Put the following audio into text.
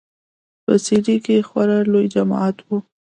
په سي ډي کښې خورا لوى جماعت و.